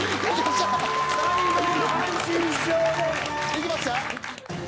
いきました？